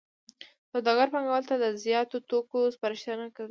سوداګر پانګوالو ته د زیاتو توکو سپارښتنه کوي